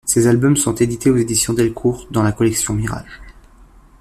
Ces albums sont édités aux éditions Delcourt dans la collection Mirages.